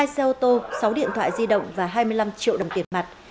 hai xe ô tô sáu điện thoại di động và hai mươi năm triệu đồng tiền mặt